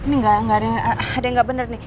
ini gak ada yang gak bener nih